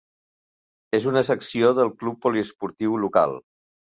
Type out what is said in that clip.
És una secció del club poliesportiu local.